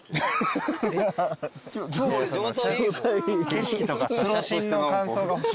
景色とか写真の感想が欲しい。